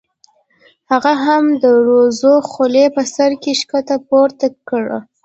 هغه هم د دروزو خولۍ په سر کې ښکته پورته کړه.